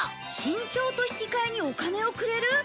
身長と引き換えにお金をくれる？